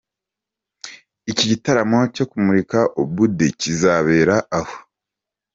Iki gitaramo cyo kumurika Obudde, kizabera aho.